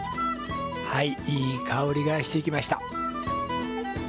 はい、いい香りがしてきました。